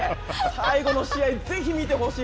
最後の試合、ぜひ見てほしい。